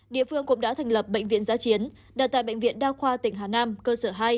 địa phương cũng đã thành lập bệnh viện giá chiến đặt tại bệnh viện đa khoa tỉnh hà nam cơ sở hai